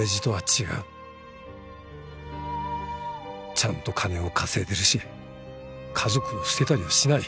ちゃんと金を稼いでるし家族を捨てたりはしない